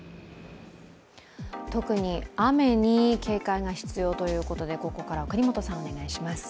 特に雨に警戒が必要ということでここからは國本さんにお願いします。